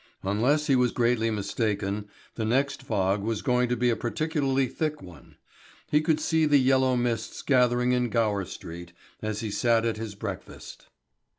Unless he was greatly mistaken, the next fog was going to be a particularly thick one. He could see the yellow mists gathering in Gower Street, as he sat at his breakfast.